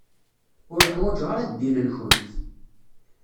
Ur ḥwaǧeɣ ara ddin-nkent.